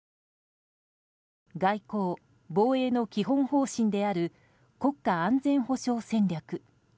外交防衛の基本方針である国家安全保障戦略。